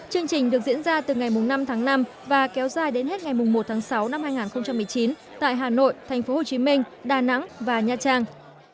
chương trình được diễn ra từ ngày năm tháng năm và kéo dài đến hết ngày một tháng sáu năm hai nghìn một mươi chín tại hà nội thành phố hồ chí minh đà nẵng và nha trang